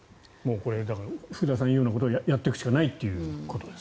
これは福田さんが言うようなことをやっていくしかないと。